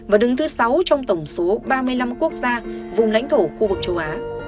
và đứng thứ sáu trong tổng số ba mươi năm quốc gia vùng lãnh thổ khu vực châu á